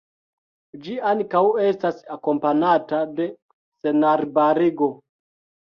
Ĝi ankaŭ estas akompanata de senarbarigo.